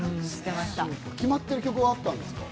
決まってる曲はあったんですか？